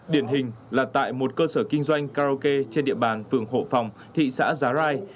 điển hình là tại một cơ sở kinh doanh karaoke trên địa bàn phường hộ phòng thị xã giá rai